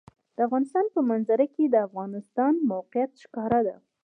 د افغانستان په منظره کې د افغانستان د موقعیت ښکاره ده.